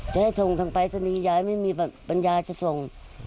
จะให้ส่งทางไปสนียายไม่มีปัญญาจะส่ง